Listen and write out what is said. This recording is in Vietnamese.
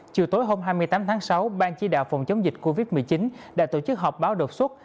chiều tối hôm hai mươi tám tháng sáu ban chỉ đạo phòng chống dịch covid một mươi chín đã tổ chức họp báo đột xuất